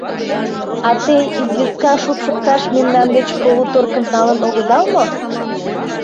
А те известка шупшыкташ мемнан деч полуторкым налын огыдал мо?